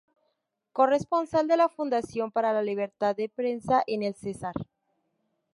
Corresponsal de la Fundación para la Libertad de Prensa en el Cesar.